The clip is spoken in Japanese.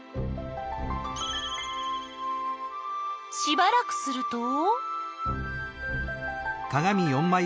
しばらくすると。